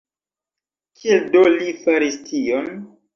Kiel do li faris tion?